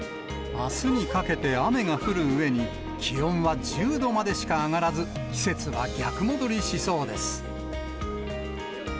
あすにかけて雨が降るうえに、気温は１０度までしか上がらず、季節は逆戻りしそうです。